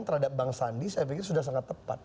terhadap bang sandi saya pikir sudah sangat tepat